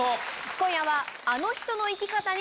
今夜は。